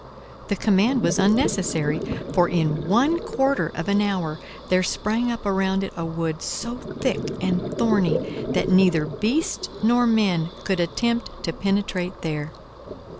The command was unnecessary, for in one quarter of an hour there sprang up around it a wood so thick and thorny that neither beasts nor men could attempt to penetrate there.